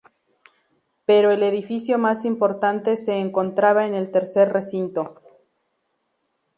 Pero el edificio más importante se encontraba en el tercer recinto.